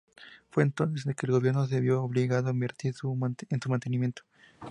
Fue entonces que el gobierno se vio obligado a invertir en su mantenimiento.